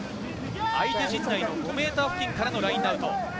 相手陣内の５ｍ付近からのラインアウト。